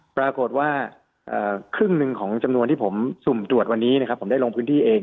ปรากฏว่าครึ่งหนึ่งของจำนวนที่ผมสุ่มตรวจวันนี้นะครับผมได้ลงพื้นที่เอง